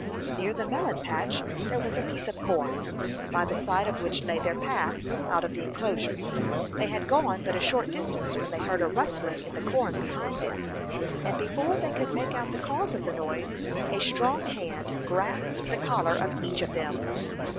Near the melon patch there was a piece of corn, by the side of which lay their path out of the enclosure. They had gone but a short distance when they heard a rustling in the corn behind them, and before they could make out the cause of the noise, a strong hand grasped the collar of each of them.